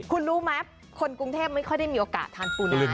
คุณรู้ไหมคนกรุงเทพไม่ค่อยได้มีโอกาสทานปูนา